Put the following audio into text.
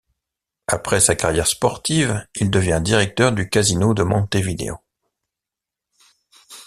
Après sa carrière sportive, il devient directeur du Casino de Montevideo.